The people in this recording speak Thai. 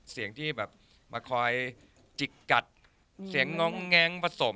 เสียงที่แบบมาคอยจิกกัดเสียงง้องแง้งประสบ